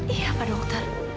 iya pak dokter